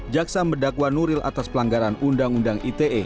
jaksa mendakwa nuril atas pelanggaran undang undang ite